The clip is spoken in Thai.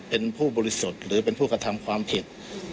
เป็นผู้บริสุทธิ์หรือเป็นผู้กระทำความผิด